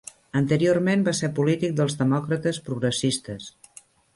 Anteriorment va ser polític dels Demòcrates Progressistes.